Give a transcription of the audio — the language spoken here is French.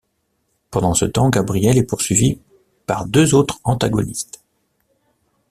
Pendant ce temps, Gabriel est poursuivi par deux autres antagonistes.